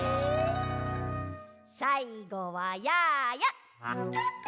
さいごはやーや。